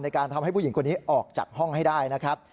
การทำให้ผู้หญิงคนนี้ออกจากห้องให้ได้นะครับ